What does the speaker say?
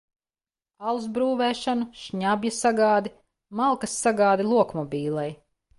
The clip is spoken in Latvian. Alus brūvēšanu, šņabja sagādi, malkas sagādi lokmobīlei.